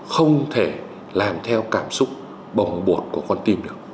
không thể làm theo cảm xúc bồng bột